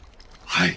はい。